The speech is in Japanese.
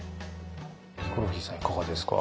ヒコロヒーさんいかがですか？